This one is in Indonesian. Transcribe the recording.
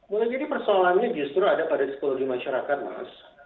mulai dari persoalannya justru ada pada psikologi masyarakat mas